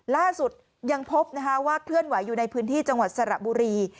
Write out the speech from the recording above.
ล่าสุดยังพบว่าเคลื่อนไหวอยู่ในพื้นที่จังหวัดสระบุรี